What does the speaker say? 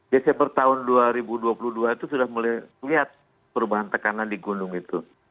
desember tahun dua ribu dua puluh dua itu sudah mulai melihat perubahan tekanan di gunung itu